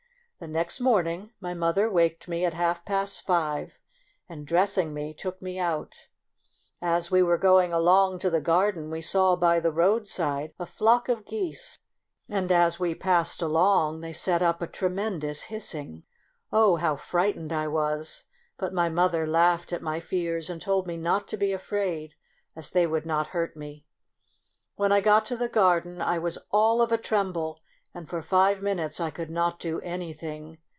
The next morning my mother waked me at half past five, and dressing me took me out. As we were going along to the garden we saw by the road side a flock of geese, and as we passed along they set up a tremendous hissing. Oh, how frighten COUNTRY DOLL. 25 ed I was ; but my mother laughed at my fears, and told me not to be afraid, as they would not hurt me. When I got to the garden, I was all of a tremble, and for five minutes I could not do any thing.